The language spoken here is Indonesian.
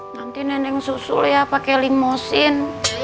nanti neneng susul ya pake limousin